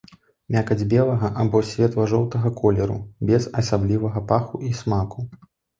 Мякаць белага або светла-жоўтага колеру, без асаблівага паху і смаку.